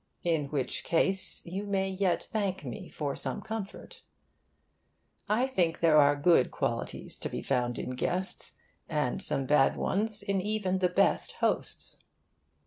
In which case, you may yet thank me for some comfort. I think there are good qualities to be found in guests, and some bad ones in even the best hosts.